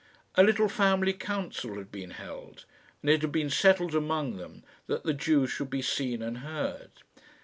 A little family council had been held, and it had been settled among them that the Jew should be seen and heard.